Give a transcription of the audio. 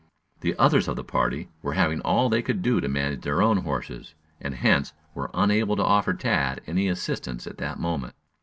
The others of the party were having all they could do to manage their own horses, and hence were unable to offer Tad any assistance at that moment.